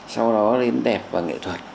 sau đó đến đẹp và nghệ thuật